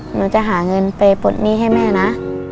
หนูจะหาเงินไปปลดหนี้ให้แม่นะ